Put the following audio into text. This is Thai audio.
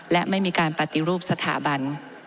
และไม่มีการปฏิรูปสถาบัน